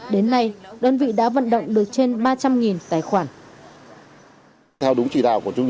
đến nay đơn vị đã vận động được